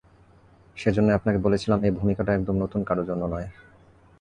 সেজন্যই আপনাকে বলেছিলাম এই ভূমিকাটা একদম নতুন কারো জন্য নয়!